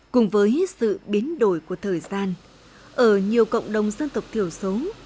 cùng với sự biến đổi của thời gian ở nhiều cộng đồng dân tộc thiểu số